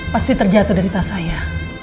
pasti terjatuh dari tas saya